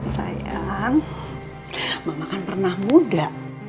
sayang mama kan pernah muda